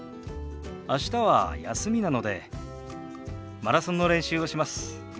明日は休みなのでマラソンの練習をします。